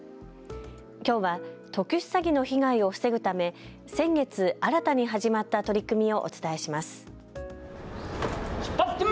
きょうは特殊詐欺の被害を防ぐため先月、新たに始まった取り組みをお伝えします。